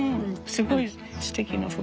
すごいすてきな服。